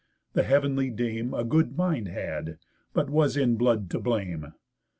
The heav'nly dame A good mind had, but was in blood to blame.